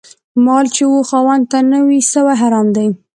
مال چي و خاوند ته نه وي سوی، حرام دی